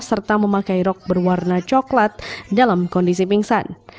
serta memakai rok berwarna coklat dalam kondisi pingsan